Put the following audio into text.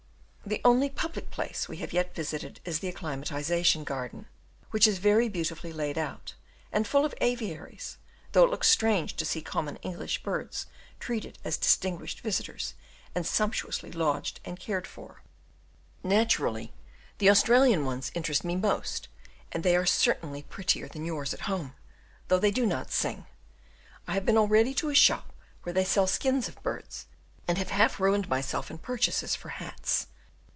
The only public place we have yet visited is the Acclimatization Garden; which is very beautifully laid out, and full of aviaries, though it looks strange to see common English birds treated as distinguished visitors and sumptuously lodged and cared for. Naturally, the Australian ones interest me most, and they are certainly prettier than yours at home, though they do not sing. I have been already to a shop where they sell skins of birds, and have half ruined myself in purchases for hats.